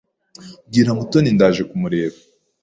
Bwira Mutoni ndaje kumureba.